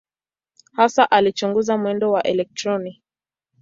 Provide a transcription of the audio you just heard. Hasa alichunguza mwendo wa elektroni.